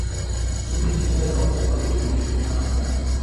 nurdin muda hauko upande wetu nakushukuru sana asante